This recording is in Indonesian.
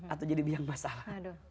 atau jadi biang masalah